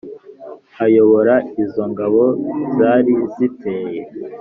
ayobora izo ngabo zari ziteye.